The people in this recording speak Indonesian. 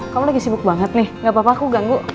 kamu lagi sibuk banget nih gak apa apa aku ganggu